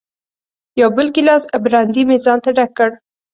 یو بل ګیلاس برانډي مې ځانته ډک کړ.